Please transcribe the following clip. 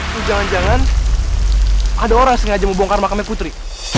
tuh jangan jangan ada orang sengaja mau bongkar makamnya kutri